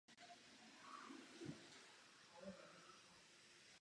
Výsledky, jichž jsme dosáhli, jsou ovšem nevyvážené.